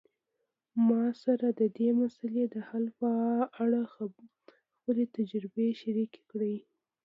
ما سره د دې مسئلې د حل په اړه خپلي تجربي شریکي کړئ